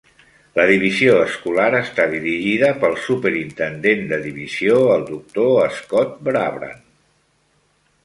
La divisió escolar està dirigida pel Superintendent de divisió el Doctor Scott Brabrand.